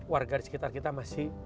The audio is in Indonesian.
warga di sekitar kita masih